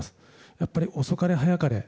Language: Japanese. やっぱり遅かれ早かれ